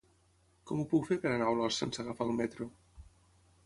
Com ho puc fer per anar a Olost sense agafar el metro?